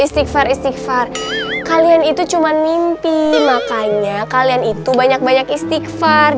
istighfar istighfar kalian itu cuman mimpi makanya kalian itu banyak banyak istighfar